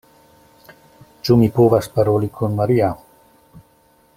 Ĉu mi povas paroli kun Maria?